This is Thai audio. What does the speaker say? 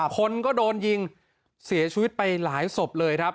คนก็โดนยิงเสียชีวิตไปหลายศพเลยครับ